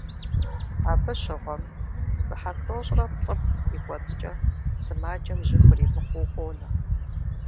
Абы щыгъуэм, сыхьэт тӏощӏрэ плӏым и кӀуэцӀкӏэ сымаджэм жьы хуримыкъуу къонэ.